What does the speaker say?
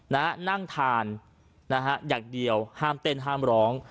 นั่งทานนะฮะอย่างเดียวห้ามเต้นห้ามร้อง